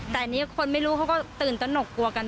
บริเวณหน้าสารพระการอำเภอเมืองจังหวัดลบบุรี